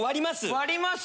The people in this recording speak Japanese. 割ります。